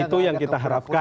itu yang kita harapkan